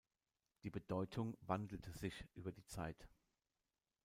Die Bedeutung wandelte sich über die Zeit.